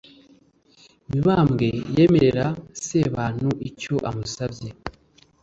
mibambwe yemerera sebantu icyo amusabye